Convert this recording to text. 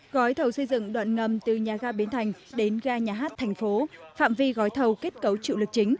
gói thầu xây dựng đoạn ngầm từ nhà ga biến thành đến ga nhà hát tp hcm phạm vi gói thầu kết cấu trực lực chính